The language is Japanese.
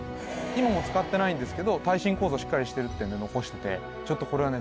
今もう使ってないんですけど耐震構造しっかりしてるっていうんで残しててちょっとこれはね